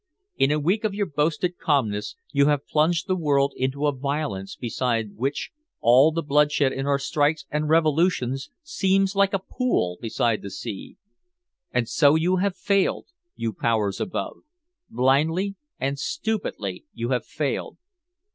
In a week of your boasted calmness you have plunged the world into a violence beside which all the bloodshed in our strikes and revolutions seems like a pool beside the sea. And so you have failed, you powers above, blindly and stupidly you have failed.